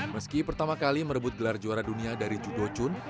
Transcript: meski pertama kali merebut gelar juara dunia dari judo chun